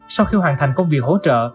sau khi hoàn thành công việc hỗ trợ